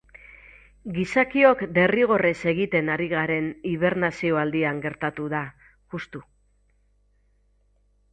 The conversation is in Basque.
Gizakiok derrigorrez egiten ari garen hibernazio aldian gertatu da, juxtu.